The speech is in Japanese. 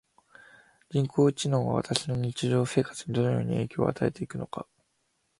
人工知能は私の日常生活をどのように変えていくのでしょうか？